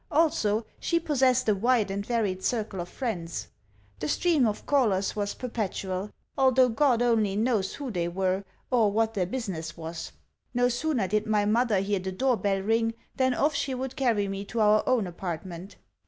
Also, she possessed a wide and varied circle of friends. The stream of callers was perpetual although God only knows who they were, or what their business was. No sooner did my mother hear the door bell ring than off she would carry me to our own apartment.